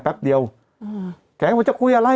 แปปเดียวแกไงว่าจะคุยอะไร